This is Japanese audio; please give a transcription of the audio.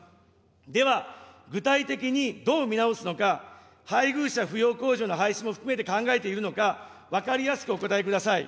では、具体的にどう見直すのか、配偶者扶養控除の廃止も含めて考えているのか、分かりやすくお答えください。